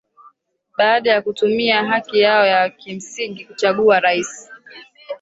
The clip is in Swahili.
baada ya kutumia haki yao ya kimsingi kuchagua raisi